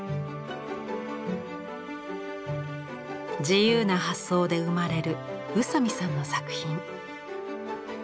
自由な発想で生まれる宇佐美さんの作品。